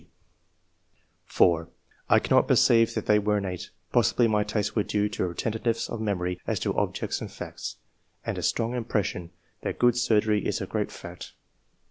'' {d) (4) " I cannot perceive that they were innate. Possibly my tastes were due to retentiveness of memory as to objects and facts, and a strong impression that good surgery is a great fact.